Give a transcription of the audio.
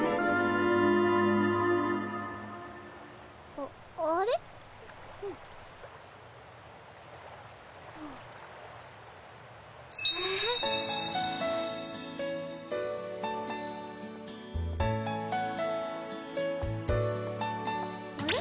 ああれ？あれ？